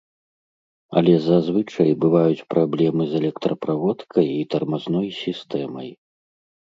Але зазвычай бываюць праблемы з электраправодкай і тармазной сістэмай.